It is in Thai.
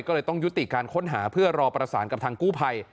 ก็เลยต้องยุติการค้นหาเพื่อรอประสานกับทางกู้ภัย